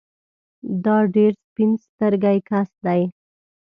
دا ډېر سپين سترګی کس دی